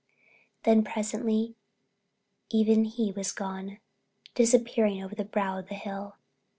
Then presently even he was gone, disappearing over the brow of the hill.